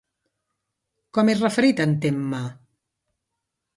Com és referit en Temme?